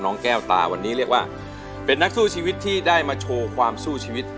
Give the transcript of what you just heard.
แก้วตาวันนี้เรียกว่าเป็นนักสู้ชีวิตที่ได้มาโชว์ความสู้ชีวิต